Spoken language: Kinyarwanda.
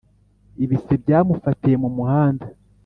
Ibise byamufatiye mumuhanda